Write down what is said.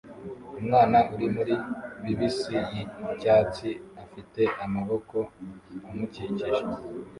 Umwana uri muri bibisi yicyatsi afite amaboko amukikije